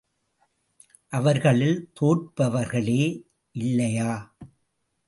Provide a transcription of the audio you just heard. அவர்களில் தோற்பவர்களே இல்லையா?